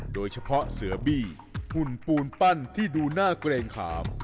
โดยเฉพาะเสือบี้หุ่นปูนปั้นที่ดูน่าเกรงขาม